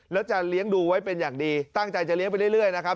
แล้วจะเลี้ยงดูไว้เป็นอย่างดีตั้งใจจะเลี้ยงไปเรื่อยนะครับ